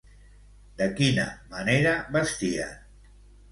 De quina manera vestien?